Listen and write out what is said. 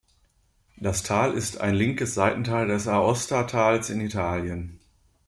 Das Tal ist ein linkes Seitental des Aostatals in Italien.